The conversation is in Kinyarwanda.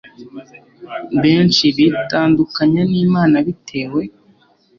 Benshi bitandukanya n’Imana bitewe